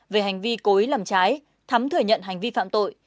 về hành vi cố ý làm trái thắm thừa nhận hành vi phạm tội